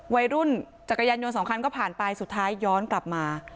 วัยรุ่นจักรยานยนต์สองคันก็ผ่านไปสุดท้ายย้อนกลับมา